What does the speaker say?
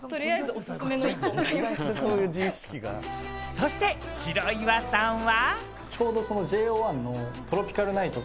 そして白岩さんは。